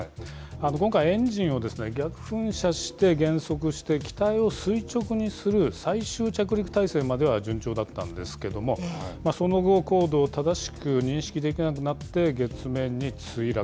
今回、エンジンを逆噴射して減速して、機体を垂直にする最終着陸態勢までは順調だったんですけども、その後、高度を正しく認識できなくなって、月面に墜落。